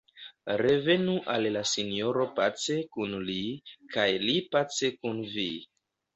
Revenu al la Sinjoro pace kun Li, kaj Li pace kun vi.